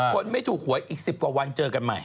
คนไม่ถูกหวยอีก๑๐กว่าวันเจอกันใหม่